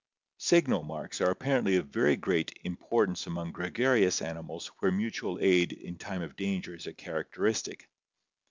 Signal marks are apparently of very great importance among gregarious animals where mutual aid in time of danger is a charac teristic.